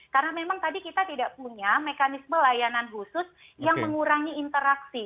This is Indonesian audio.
karena memang tadi kita tidak punya mekanisme layanan khusus yang mengurangi interaksi